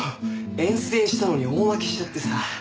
遠征したのに大負けしちゃってさ。